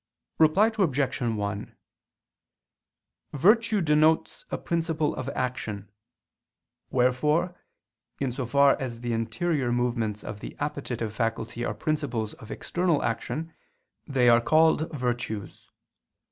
Reply Obj. 1: Virtue denotes a principle of action: wherefore, in so far as the interior movements of the appetitive faculty are principles of external action, they are called virtues.